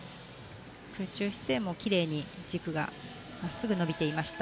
空中姿勢もきれいに軸が真っすぐ伸びていました。